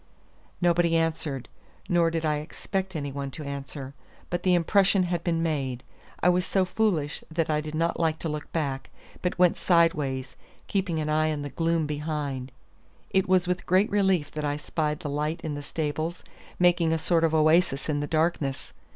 Nobody answered, nor did I expect any one to answer, but the impression had been made. I was so foolish that I did not like to look back, but went sideways, keeping an eye on the gloom behind. It was with great relief that I spied the light in the stables, making a sort of oasis in the darkness.